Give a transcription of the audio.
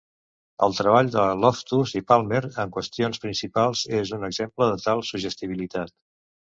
El treball de Loftus i Palmer en qüestions principals és un exemple de tal suggestibilitat.